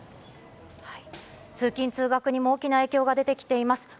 通勤・通学にも大きな影響が出てきています。